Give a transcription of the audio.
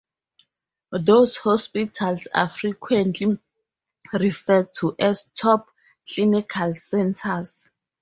These hospitals are frequently referred to as "top-clinical" centers.